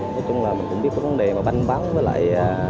nói chung là mình cũng biết vấn đề bánh bắn với lại